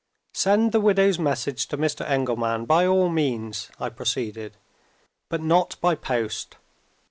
"Send the widow's message to Mr. Engelman, by all means," I proceeded; "but not by post.